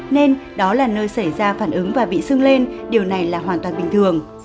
nên đó là nơi xảy ra phản ứng và bị sưng lên điều này là hoàn toàn bình thường